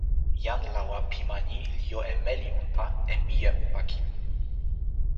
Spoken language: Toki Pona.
jan lawa pi ma ni li jo e meli unpa e mije unpa kin.